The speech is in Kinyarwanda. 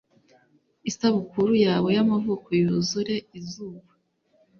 Isabukuru yawe y'amavuko yuzure izuba